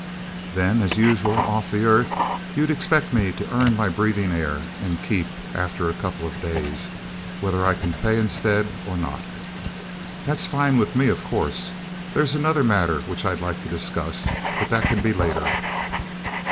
Then, as usual, off the Earth, you'll expect me to earn my breathing air and keep, after a couple of days, whether I can pay instead or not. That's fine with me, of course. There's another matter which I'd like to discuss, but that can be later."